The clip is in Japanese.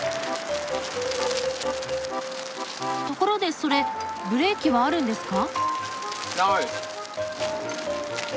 ところでそれブレーキはあるんですか？